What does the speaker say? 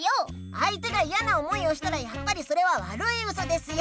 あいてがいやな思いをしたらやっぱりそれはわるいウソですよ！